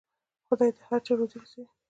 خدای د هر چا روزي رسوي.